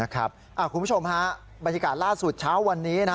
คุณผู้ชมฮะบรรยากาศล่าสุดเช้าวันนี้